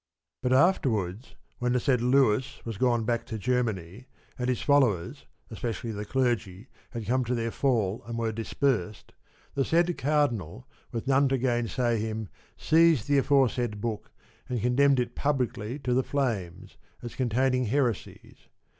But afterwards, when the said Lewis was gone back to Germany, and his followers, especially the clergy, had come to their fall and were dispersed, the said Cardinal, with none to gainsay him, seized the aforesaid book, and condemned it publicly to the flames, as containing heresies.